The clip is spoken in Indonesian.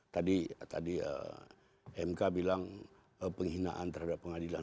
tadi m k bilang penghinaan terhadap pengadilan